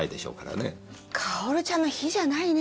薫ちゃんの比じゃないね